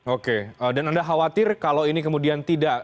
oke dan anda khawatir kalau ini kemudian tidak